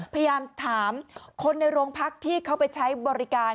พยายามถามคนในโรงพักที่เขาไปใช้บริการ